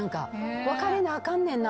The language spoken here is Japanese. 別れなあかんねんな